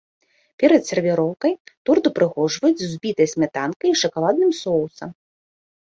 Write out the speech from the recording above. Перад сервіроўкай торт упрыгожваюць узбітай смятанкай і шакаладным соусам.